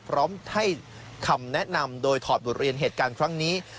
พร้อมให้คำแนะนำโดยถอดบทเรียนเหตุการณ์ครั้งนี้